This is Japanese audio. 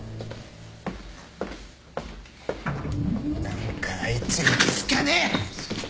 何かあいついけすかねえ！